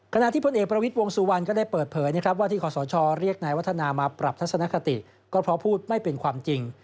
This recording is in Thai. ขณะที่พลเอกประวิทย์วงสุวรรณก็ได้เปิดเผยนะครับว่าที่ขอสชเรียกนายวัฒนามาปรับทัศนคติก็เพราะพูดไม่เป็นความจริง